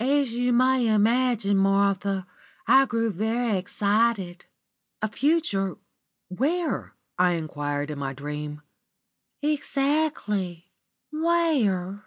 "As you may imagine, Martha, I grew very excited. "'A future where?' I enquired, in my dream. "Exactly. Where?